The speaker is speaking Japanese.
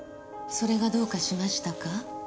それがどうかしましたか？